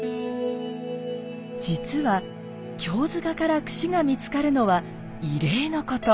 実は経塚からくしが見つかるのは異例のこと。